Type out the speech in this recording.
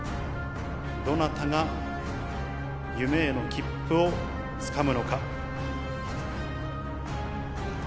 どなたが夢への切符をつかむのか。